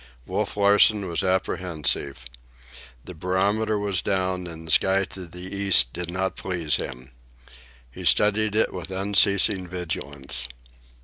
Wolf Larsen was apprehensive. The barometer was down, and the sky to the east did not please him. He studied it with unceasing vigilance.